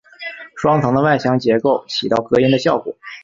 双层的外墙结构起到隔音的效果。